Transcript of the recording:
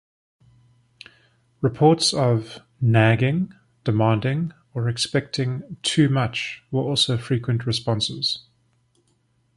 Reports of "nagging", demanding or expecting "too much" were also frequent responses.